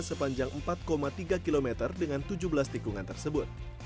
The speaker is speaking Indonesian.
sepanjang empat tiga km dengan tujuh belas tikungan tersebut